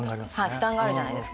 負担があるじゃないですか。